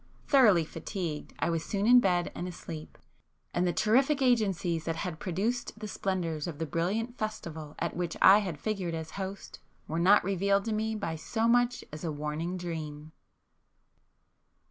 Thoroughly fatigued, I was soon in bed and asleep,—and the terrific agencies that had produced the splendours of the brilliant festival at which I had figured as host, were not revealed to me by so much as a warning dream!